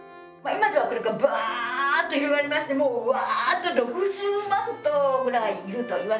今ではこれがバッと広がりましてもうわあっと６０万頭ぐらいいるといわれてます。